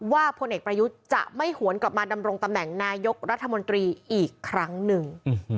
พลเอกประยุทธ์จะไม่หวนกลับมาดำรงตำแหน่งนายกรัฐมนตรีอีกครั้งหนึ่ง